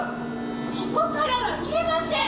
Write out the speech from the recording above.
「ここからは見えません！」